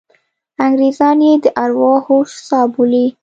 انګریزان یې د ارواحو څاه بولي.